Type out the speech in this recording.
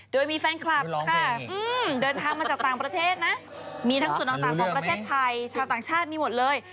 โดยมีแฟนคลับค่ะเดินทางมาจากต่างประเทศนะมีทั้งส่วนต่างของประเทศไทยชาวต่างชาติมีหมดเลย